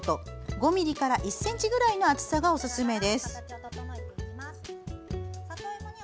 ５ｍｍから１ｃｍくらいの厚さがおすすめです。